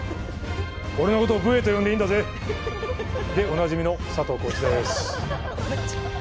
俺のことを武衛と呼んでいいんだぜでおなじみの佐藤浩市です。